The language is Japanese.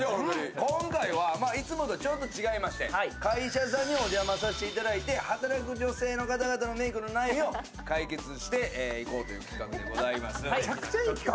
今回はいつもとちょっと違いまして、会社さんにお邪魔させていただいて働く女性のメイクのお悩みを解決していこうという企画でございます。